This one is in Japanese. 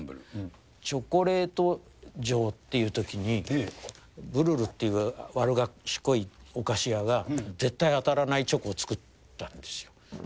チョコレートじょうっていうときに、ブルルっていう悪賢いお菓子屋が絶対当たらないチョコを作ったんですよ。